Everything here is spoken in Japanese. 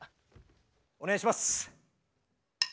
お願いします。